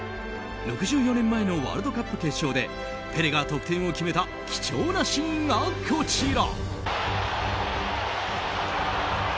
６４年前のワールドカップ決勝でペレが得点を決めた貴重なシーンがこちら。